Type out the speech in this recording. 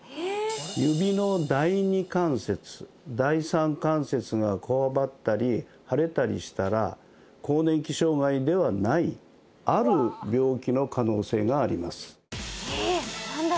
指の第２関節第３関節がこわばったり腫れたりしたら更年期障害ではないある病気の可能性があります